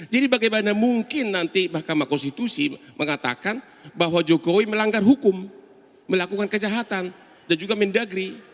jadi bagaimana mungkin nanti mahkamah konstitusi mengatakan bahwa jokowi melanggar hukum melakukan kejahatan dan juga mendagri